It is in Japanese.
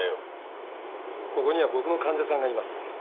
ここには僕の患者さんがいます。